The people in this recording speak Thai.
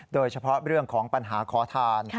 โดยเฉพาะเรื่องของปัญหาขอทาน